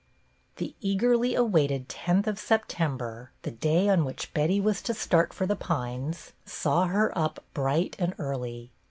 T he eagerly awaited tenth of Sep tember, the clay on which Betty was to start for The Pines, saw her up bright and early.